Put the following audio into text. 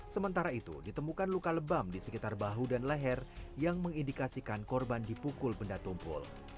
sementara itu ditemukan luka lebam di sekitar bahu dan leher yang mengindikasikan korban dipukul benda tumpul